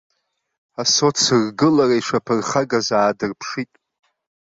Асоцргылара ишаԥырхагаз аадырԥшит.